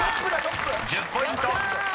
［１０ポイント］